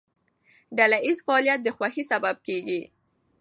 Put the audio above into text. ډلهییز فعالیت د خوښۍ سبب کېږي.